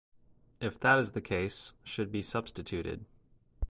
If that is the case, should be substituted.